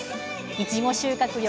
いちご収穫量